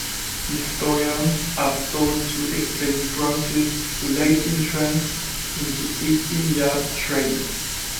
Historians have sought to explain France's late entrance in the East India trade.